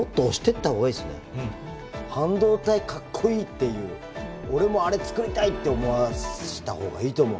半導体かっこいいっていう俺もあれつくりたいって思わした方がいいと思う。